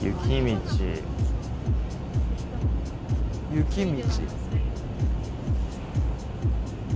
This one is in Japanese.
雪道。